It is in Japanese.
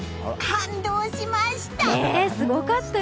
感動しました！